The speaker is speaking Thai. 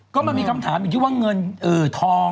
ก็มันมีคำถามอยู่ที่ว่าเงินทอง